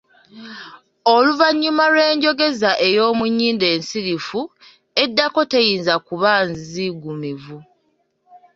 Oluvannyuma lw’enjogeza ey’omu nnyindo ensirifu eddako teyinza kuba nzigumivu